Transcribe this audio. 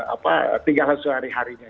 apa tinggal sehari harinya